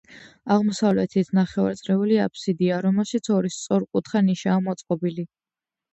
აღმოსავლეთითნახევარწრიული აფსიდია, რომელშიც ორი სწორკუთხა ნიშაა მოწყობილი.